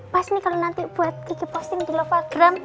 pas nih kalau nanti buat kiki posting di lovagram